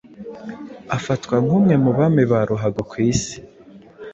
afatwa nk’umwe mu bami ba ruhago ku Isi